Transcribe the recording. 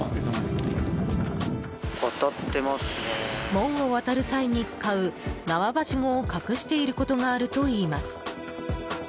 門を渡る際に使う縄ばしごを隠していることがあるといいます。